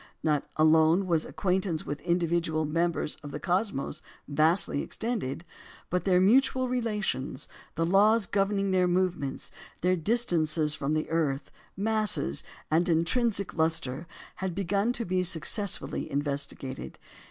Not alone was acquaintance with individual members of the cosmos vastly extended, but their mutual relations, the laws governing their movements, their distances from the earth, masses, and intrinsic lustre, had begun to be successfully investigated.